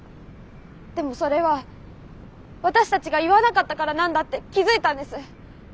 でもそれは私たちが言わなかったからなんだって気付いたんです。